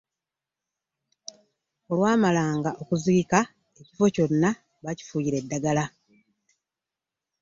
olwamalanga okuziika ekifo kyonna bakifuuyira eddagala.